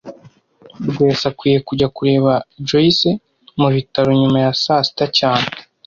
Rwesa akwiye kujya kureba Joyce mubitaro nyuma ya saa sita cyane